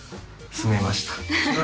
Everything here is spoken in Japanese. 住めました。